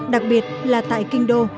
đặc biệt là tại kinh đô